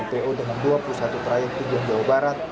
tiga puluh sembilan po dengan dua puluh satu trayek tujuan jawa barat